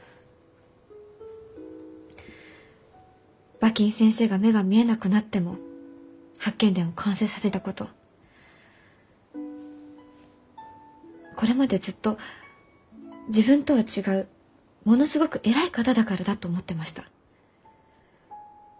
馬琴先生が目が見えなくなっても「八犬伝」を完成させたことこれまでずっと自分とは違うものすごく偉い方だからだと思ってました。